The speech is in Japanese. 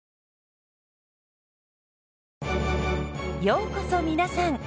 ようこそ皆さん。